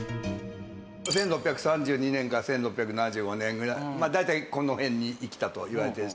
１６３２年から１６７５年ぐらい大体この辺に生きたといわれてる。